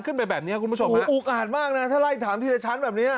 ไปแบบเนี้ยคุณผู้ชมโอ้โหอุกอาดมากนะถ้าไล่ถามทีละชั้นแบบเนี้ย